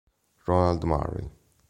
Ronald Murray